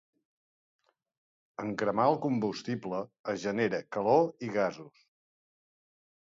En cremar el combustible es genera calor i gasos.